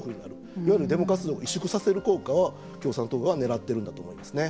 いわゆるデモ活動を萎縮させる効果を共産党が狙っているんだと思いますね。